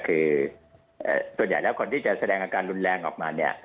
คือส่วนใหญ่แล้วคนที่จะแสดงอาการรุนแรงออกมาเนี่ย